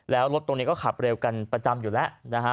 แล้วรถตรงนี้ก็ขับเร็วกันประจำอยู่แล้วนะฮะ